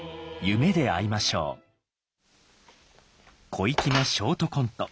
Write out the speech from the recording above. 小粋なショートコント。